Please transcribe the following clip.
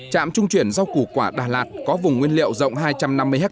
trạm trung chuyển rau củ quả đà lạt có vùng nguyên liệu rộng hai trăm năm mươi ha